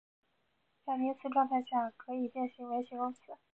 在名词状态下可以变形为形容词。